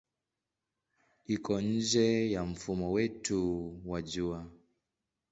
Iko nje ya mfumo wetu wa Jua.